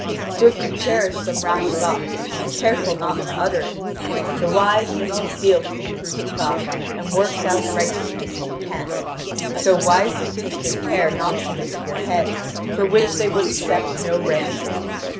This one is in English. So if you cherish some rash thought be careful not to utter it. The wise man conceals his imprudent thought and works out righteousness if he can. So wisely take good care not to risk your head, for which they would accept no ransom.